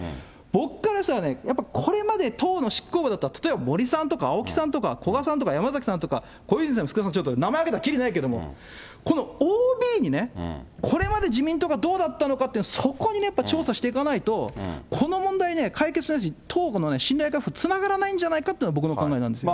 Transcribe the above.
僕からしたらね、やっぱりこれまで党の執行部だった、例えば森さんとか青木さんとか古賀さんとか、山崎さんとか、小泉さん、福田さん、ちょっと名前挙げたら切りないけども、このＯＢにこれまで自民党がどうだったのか、そこにやっぱり調査していかないと、この問題は解決しないし、党の信頼回復につながらないんじゃないかというのが僕の考えなんです。